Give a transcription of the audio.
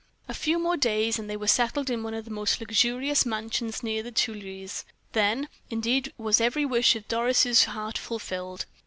A few more days, and they were settled in one of the most luxurious mansions near the Tuileries. Then, indeed, was every wish of Doris' heart fulfilled.